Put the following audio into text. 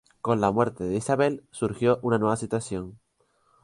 Con la muerte de Isabel surgió una nueva situación.